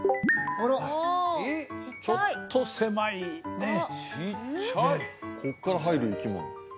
ああちっちゃいちょっと狭いねちっちゃいこっから入る生き物？